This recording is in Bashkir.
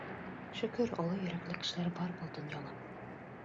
Шөкөр, оло йөрәкле кешеләр бар был донъяла...